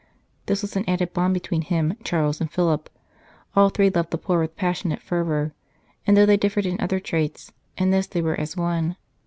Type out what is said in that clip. This was an added bond between him, Charles, and Philip. All three loved the poor with passionate fervour, and though they differed in other traits, in this they were as one.